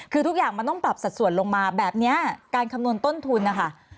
คือทุกอย่างมันต้องปรับสัดส่วนลงมาแบบนี้การคำนวณต้นทุนนะคะ